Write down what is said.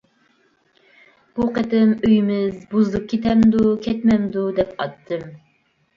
بۇ قېتىم ئۆيىمىز بۇزۇلۇپ كېتەمدۇ-كەتمەمدۇ؟ دەپ ئاتتىم.